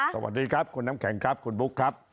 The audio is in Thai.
สวัสดีครับคุณน้ำแข็งครับคุณบุ๊คครับ